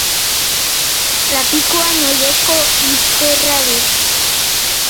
Lapikoan oilasko izterra dut.